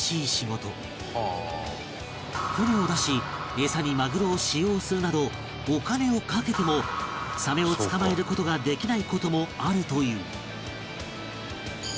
船を出し餌にマグロを使用するなどお金をかけてもサメを捕まえる事ができない事もあるという